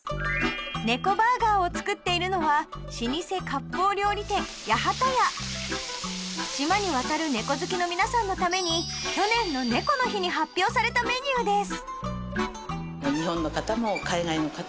猫バーガーを作っているのは老舗割烹料理店八幡家島に渡る猫好きの皆さんのために去年の猫の日に発表されたメニューです